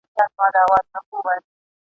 په دې ښارکي هر څه ورک دي نقابونه اورېدلي !.